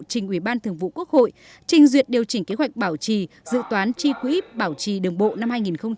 trình ủy ban thường vụ quốc hội trình duyệt điều chỉnh kế hoạch bảo trì dự toán tri quỹ bảo trì đường bộ năm hai nghìn hai mươi